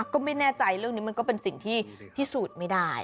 ก็ไม่แน่ใจเรื่องนี้มันก็เป็นสิ่งที่พิสูจน์ไม่ได้